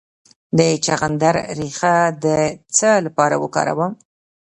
د چغندر ریښه د څه لپاره وکاروم؟